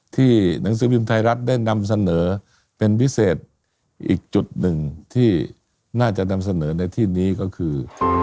หนังสือพิมพ์ไทยรัฐได้นำเสนอเป็นพิเศษอีกจุดหนึ่งที่น่าจะนำเสนอในที่นี้ก็คือ